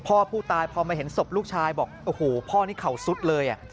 พ่อผู้ตายพอมาเห็นศพลูกชายบอกโอ้โหพ่อนี่เข่าสุดเลย